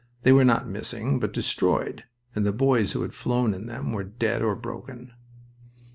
They were not missing, but destroyed, and the boys who had flown in them were dead or broken.